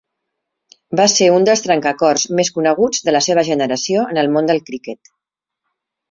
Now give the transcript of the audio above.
Va ser un dels trencacors més coneguts de la seva generació en el món del criquet.